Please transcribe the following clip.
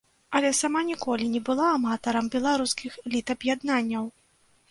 Але сама ніколі не была аматарам беларускіх літаб'яднанняў.